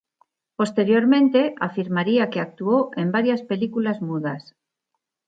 Posteriormente afirmaría que actuó en varias películas mudas.